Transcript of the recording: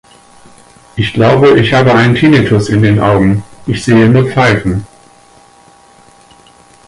Ich glaube, ich hab einen Tinnitus in den Augen, ich sehe nur Pfeifen.